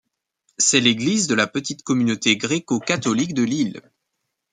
C'est l'église de la petite communauté gréco-catholique de l'île.